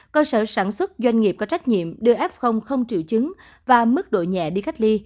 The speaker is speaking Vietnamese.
cơ sở sản xuất doanh nghiệp có trách nhiệm đưa f không triệu chứng và mức độ nhẹ đi cách ly